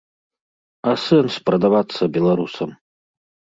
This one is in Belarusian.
А сэнс прадавацца беларусам?